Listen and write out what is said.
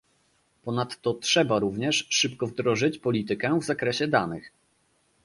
Ponadto trzeba również szybko wdrożyć politykę w zakresie danych